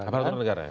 aparatur negara ya